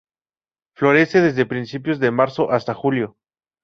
Florece desde principios de marzo hasta julio.